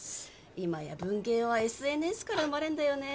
今や文芸はＳＮＳから生まれんだよね。